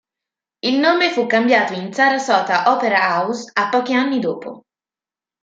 Il nome fu cambiato in Sarasota Opera House a pochi anni dopo.